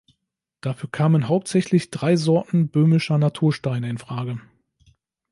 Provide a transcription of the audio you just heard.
Dafür kamen hauptsächlich drei Sorten böhmischer Natursteine in Frage.